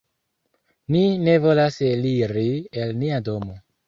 Ni ne volas eliri el nia domo.